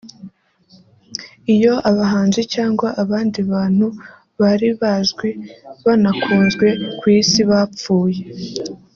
Iyo abahanzi cyangwa abandi bantu bari bazwi banakunzwe ku isi bapfuye